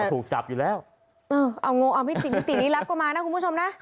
เออถูกจับอยู่แล้วเอาโง่เอาวิธีนี้รับกว่ามานะคุณผู้ชมนะ